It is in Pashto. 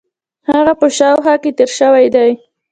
هغه په شاوخوا کې تېر شوی دی.